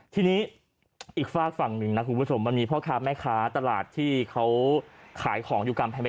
ทีนี้อีกฝากฝั่งหนึ่งนะคุณผู้ชมมันมีพ่อค้าแม่ค้าตลาดที่เขาขายของอยู่กำแพง